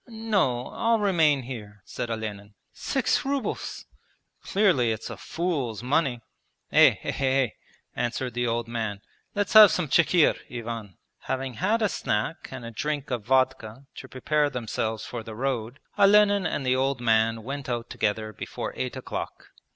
'No, I'll remain here,' said Olenin. 'Six rubles! ... Clearly it's a fool's money. Eh, eh, eh! answered the old man. 'Let's have some chikhir, Ivan!' Having had a snack and a drink of vodka to prepare themselves for the road, Olenin and the old man went out together before eight o'clock.